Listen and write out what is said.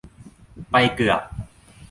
ไปเกือบ